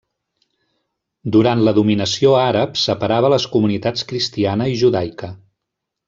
Durant la dominació àrab separava les comunitats cristiana i judaica.